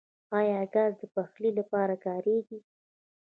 آیا ګاز د پخلي لپاره کاریږي؟